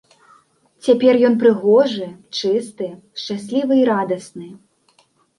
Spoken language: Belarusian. Цяпер ён прыгожы, чысты, шчаслівы і радасны.